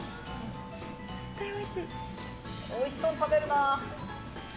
おいしそうに食べるな。